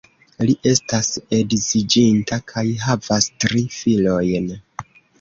Li estas edziĝinta kaj havas tri filojn.